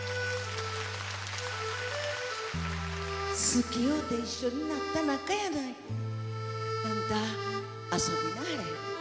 好きおうて一緒になった仲やないあんた遊びなはれ。